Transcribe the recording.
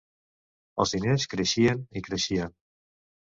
Els diners creixien i creixien.